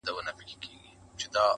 چي نه لري هلک، هغه کور د اور لايق.